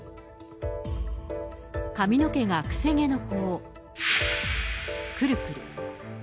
髪の毛がくせ毛の子を、くるくる。